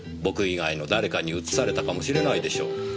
僕以外の誰かにうつされたかもしれないでしょう。